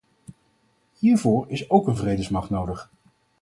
Hiervoor is ook een vredesmacht nodig.